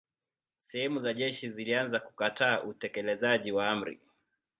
Sehemu za jeshi zilianza kukataa utekelezaji wa amri.